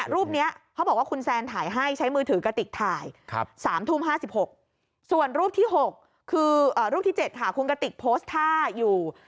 รูปนี้เขาบอกว่าคุณแซนถ่ายให้ใช้มือถือกะติกถ่าย